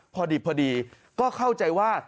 พอดีก็เข้าใจว่า